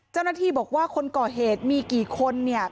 เจ้าหน้าที่บอกว่าคนก่อเหตุมีกี่คนเนี่ย